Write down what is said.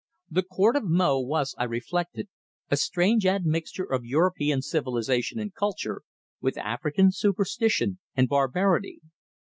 The Court of Mo was, I reflected, a strange admixture of European civilization and culture with African superstition and barbarity.